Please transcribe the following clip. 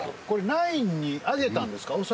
これナインに上げたんですか？